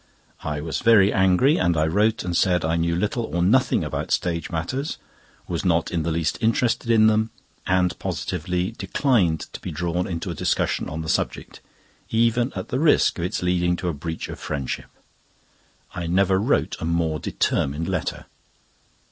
I was very angry, and I wrote and said I knew little or nothing about stage matters, was not in the least interested in them and positively declined to be drawn into a discussion on the subject, even at the risk of its leading to a breach of friendship. I never wrote a more determined letter.